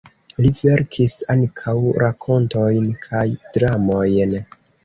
Li verkis ankaŭ rakontojn kaj dramojn.